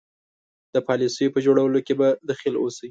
د پالیسیو په جوړولو کې به دخیل اوسي.